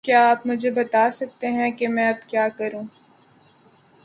کیا آپ مجھے بتا سکتے ہے کہ میں اب کیا کروں؟